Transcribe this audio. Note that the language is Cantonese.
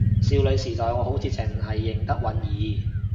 少女時代我好似淨係認得允兒